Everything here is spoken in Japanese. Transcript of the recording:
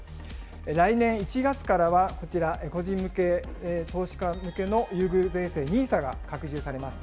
来年１月からはこちら、個人向け投資家向けの優遇税制、ＮＩＳＡが拡充されます。